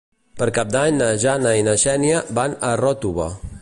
Per Cap d'Any na Jana i na Xènia van a Ròtova.